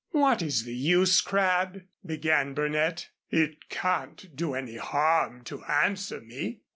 "What is the use, Crabb?" began Burnett. "It can't do any harm to answer me."